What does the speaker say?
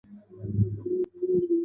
د شمالي انګور ډیر مشهور دي